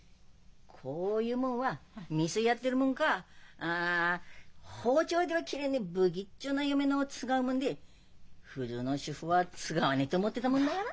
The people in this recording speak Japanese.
こういうもんは店やってるもんか包丁では切れねえぶきっちょな嫁の使うもんで普通の主婦は使わねえと思ってたもんだから。